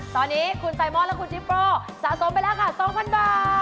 ตอนนี้คุณไซมอนและคุณจิโป้สะสมไปแล้วค่ะ๒๐๐บาท